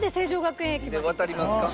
渡りますか？